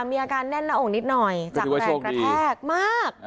มีอาการแน่นหน้าอกนิดหน่อยจากแรงกระแทกมาก